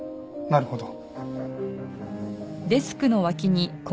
なるほど。